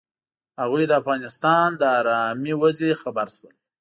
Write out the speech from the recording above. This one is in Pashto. هغوی د افغانستان له ارامې وضعې خبر شول.